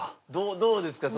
どうですか？